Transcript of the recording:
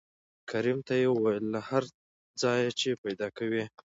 کريم ته يې وويل له هر ځايه چې پېدا کوې.